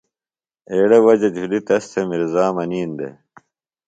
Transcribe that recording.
ایڑےۡ وجہ جُھلی تس تھےۡ میرزا منِین دےۡ